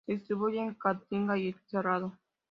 Se distribuye en Caatinga y en el Cerrado.